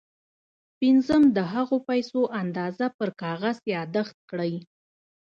پنځم د هغو پيسو اندازه پر کاغذ ياداښت کړئ.